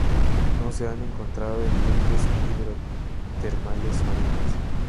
No se han encontrado en fuentes hidrotermales marinas.